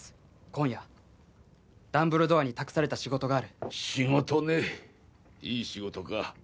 今夜ダンブルドアに託された仕事がある仕事ねいい仕事か？